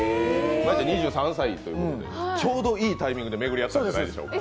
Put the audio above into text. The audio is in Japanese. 真悠ちゃん２３歳ということでちょうどいいタイミングで巡りあったんじゃないでしょうか。